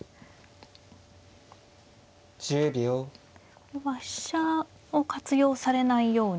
ここは飛車を活用されないように。